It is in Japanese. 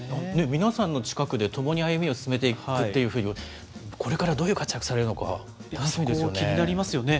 皆さんの近くで、ともに歩みを進めていくというふうに、これからどういう活躍されるのか、楽気になりますよね。